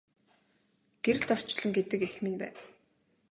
Гэрэлт орчлон гэдэг эх минь байв.